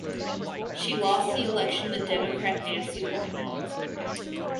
She lost the election to Democrat Nancy Wyman.